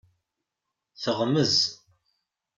Teɣmez.